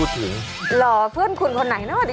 หล่อเพื่อนคุณคนไหนเนอะดิ